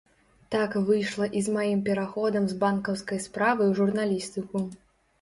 Так выйшла і з маім пераходам з банкаўскай справы ў журналістыку.